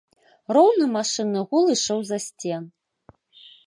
Роўны машынны гул ішоў з-за сцен.